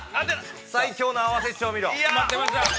最強の合わせ調味料。